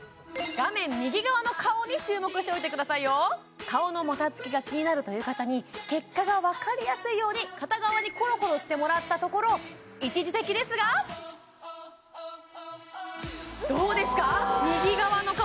画面右側の顔に注目しておいてくださいよ顔のもたつきが気になるという方に結果がわかりやすいように片側にコロコロしてもらったところ一時的ですがどうですか右側の顔